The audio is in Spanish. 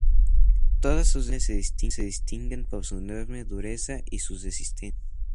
Todas sus aleaciones se distinguen por su enorme dureza y su resistencia.